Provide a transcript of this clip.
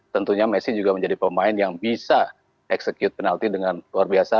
tentunya messi juga menjadi pemain yang bisa execute penalti dengan luar biasa